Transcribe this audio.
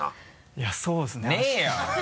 いやそうですねあした。